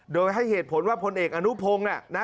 โดยให้เหตุผลว่าพลเอกอนุพงศ์